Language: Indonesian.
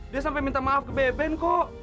dia sampai minta maaf ke beben kok